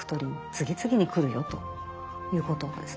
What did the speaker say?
次々に来るよということですね。